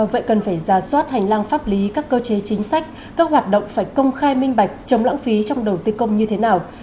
vậy cần phải ra soát hành lang pháp lý các cơ chế chính sách các hoạt động phải công khai minh bạch chống lãng phí trong đầu tư công như thế nào